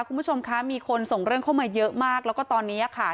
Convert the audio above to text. คุณผู้ชมคะมีคนส่งเรื่องเข้ามาเยอะมากแล้วก็ตอนนี้ค่ะ